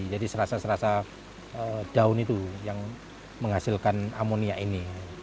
jadi serasa serasa daun itu yang menghasilkan amonia ini